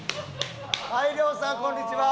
はい亮さんこんにちは。